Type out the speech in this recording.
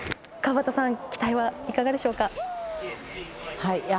川端さん期待はいかがでしょうか。